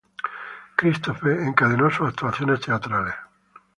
Christophe encadenó sus actuaciones teatrales.